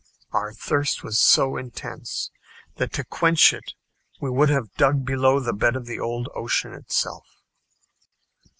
Our thirst was so intense that to quench it we would have dug below the bed of old Ocean itself.